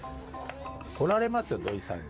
怒られますよ土井さんに。